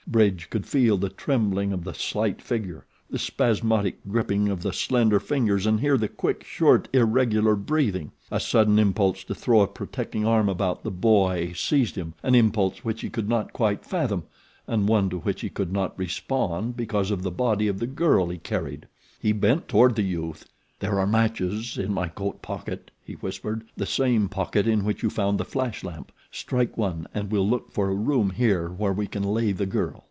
Bridge could feel the trembling of the slight figure, the spasmodic gripping of the slender fingers and hear the quick, short, irregular breathing. A sudden impulse to throw a protecting arm about the boy seized him an impulse which he could not quite fathom, and one to which he could not respond because of the body of the girl he carried. He bent toward the youth. "There are matches in my coat pocket," he whispered, " the same pocket in which you found the flash lamp. Strike one and we'll look for a room here where we can lay the girl."